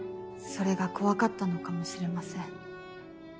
それが怖かったのかもしれません。